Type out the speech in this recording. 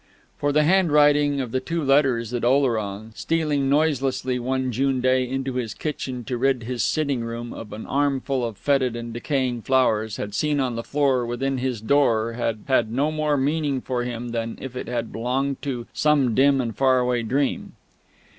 For the handwriting of the two letters that Oleron, stealing noiselessly one June day into his kitchen to rid his sitting room of an armful of fetid and decaying flowers, had seen on the floor within his door, had had no more meaning for him than if it had belonged to some dim and faraway dream.